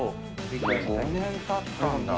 ５年たったんだ。